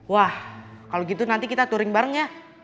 wah kalau gitu nanti kita touring bareng ya